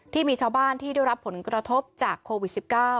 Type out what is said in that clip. ที่มีชาวบ้านที่ได้รับผลกระทบจากโควิด๑๙